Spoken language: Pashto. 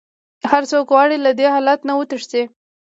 هر څوک غواړي له دې حالت نه وتښتي.